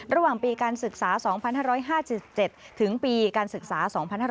ระหว่างปีการศึกษา๒๕๕๗ถึงปีการศึกษา๒๕๕๙